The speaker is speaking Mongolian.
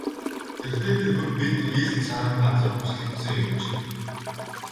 Тэртэй тэргүй бид ил цагаан газар бүслэгдсэн юм чинь.